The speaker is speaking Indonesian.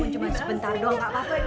ya cuma sebentar doang gak apa apa deh